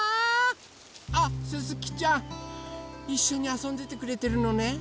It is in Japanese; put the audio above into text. あっすすきちゃんいっしょにあそんでてくれてるのね。